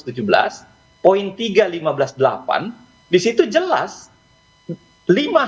dia mengatakan dalam kasus bansos